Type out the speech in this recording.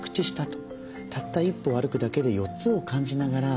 たった一歩歩くだけで４つを感じながら進めていく。